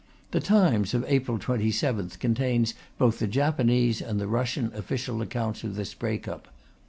The Times of April 27th contains both the Japanese and the Russian official accounts of this break up.